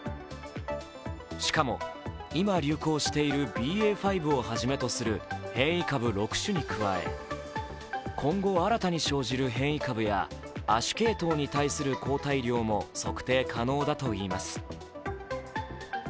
しかも、今流行しているＢＡ．５をはじめとする変異株６種に加え、今後新たに生じる変異株や亜種系統に対する抗体量も測定可能だといいます。